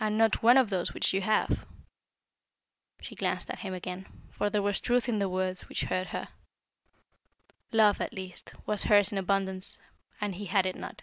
"And not one of those which you have." She glanced at him again, for there was a truth in the words which hurt her. Love, at least, was hers in abundance, and he had it not.